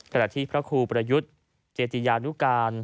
ขณะที่พระครูประยุทธ์เจติยานุการ